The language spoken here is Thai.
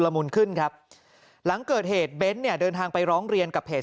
ละมุมขึ้นครับหลังเกิดเหตุเบนเดินทางไปร้องเดียนกับเหตุ